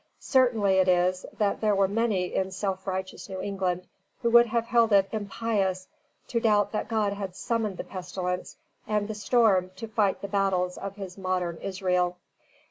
Certain it is that there were many in self righteous New England who would have held it impious to doubt that God had summoned the pestilence and the storm to fight the battles of his modern Israel.